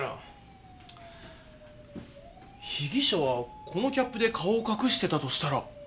被疑者はこのキャップで顔を隠してたとしたら。